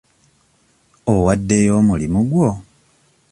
Owaddeyo omulimu gwo?